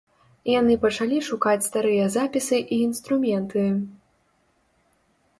Яны пачалі шукаць старыя запісы і інструменты.